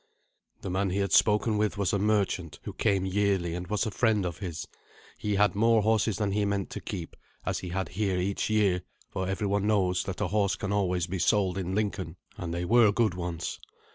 The man he had spoken with was a merchant, who came yearly, and was a friend of his. He had more horses than he meant to keep, as he had here each year; for every one knows that a horse can always be sold in Lincoln, and they were good ones.